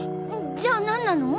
じゃあ何なの？